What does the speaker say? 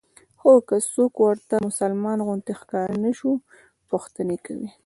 خو که څوک ورته مسلمان غوندې ښکاره نه شو پوښتنې کوي.